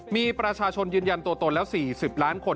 มีประชาชนยืนยันตัวตนแล้ว๔๐ล้านคน